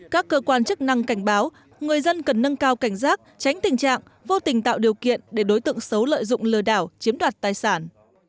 các cơ quan chức năng cảnh báo người dân cần nâng cao cảnh giác tránh tình trạng vô tình tạo điều kiện để đối tượng xấu lợi dụng lừa đảo chiếm đoạt tài sản